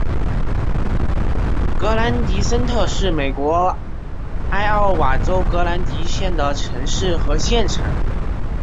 格兰迪森特是美国艾奥瓦州格兰迪县的城市和县城。